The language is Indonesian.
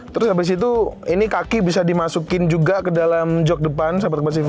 terus abis itu ini kaki bisa dimasukin juga ke dalam jog depan sobatkomunikasi tv